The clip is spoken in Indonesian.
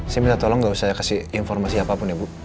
saya minta tolong nggak usah kasih informasi apapun ya bu